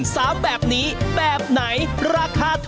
สะสมมา๒๕๐๐๐บาทรับไป๑๒๕๐๐บาท